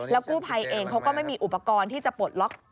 แล้วกู้ภัยเองก็ไม่มีอุปกรณ์ที่ปลดล็อก